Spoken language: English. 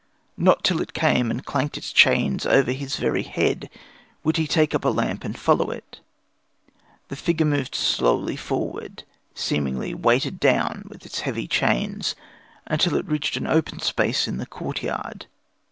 Not till it came and clanked its chains over his very head would he take up a lamp and follow it. The figure moved slowly forward, seemingly weighed down with its heavy chains, until it reached an open space in the courtyard.